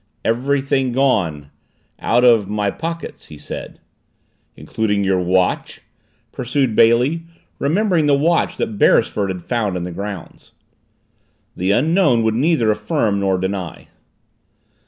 "Everything gone out of my pockets," he said. "Including your watch?" pursued Bailey, remembering the watch that Beresford had found in the grounds. The Unknown would neither affirm nor deny.